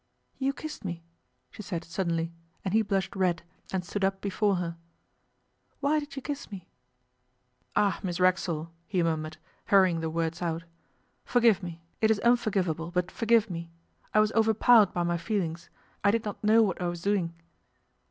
'You kissed me,' she said suddenly, and he blushed red and stood up before her. 'Why did you kiss me?' 'Ah! Miss Racksole,' he murmured, hurrying the words out. 'Forgive me. It is unforgivable, but forgive me. I was overpowered by my feelings. I did not know what I was doing.